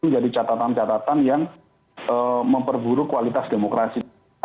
jadi catatan catatan yang memperburuk kualitas demokrasi